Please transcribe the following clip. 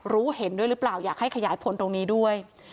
รู้เห็นด้วยหรือเปล่าอยากให้ขยายผลตรงนี้ด้วย